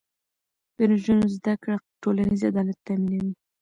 د نجونو زده کړه ټولنیز عدالت تامینوي.